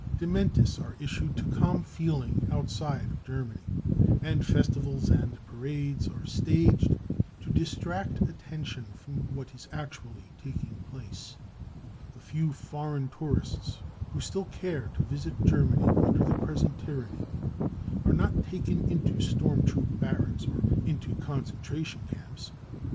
Dementis are issued to calm feeling out side of Germany, and festivals and parades are staged to distract attention from what is actually taking place. The few foreign tourists who still care to visit Germany under the present tyranny are not taken into storm troop barracks or into concentration camps.